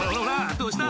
どうした！